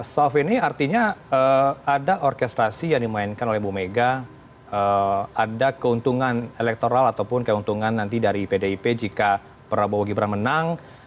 soft ini artinya ada orkestrasi yang dimainkan oleh bu mega ada keuntungan elektoral ataupun keuntungan nanti dari pdip jika prabowo gibran menang